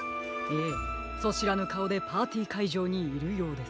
ええそしらぬかおでパーティーかいじょうにいるようです。